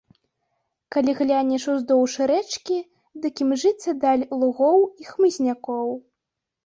Калі глянеш уздоўж рэчкі, дык імжыцца даль лугоў і хмызнякоў.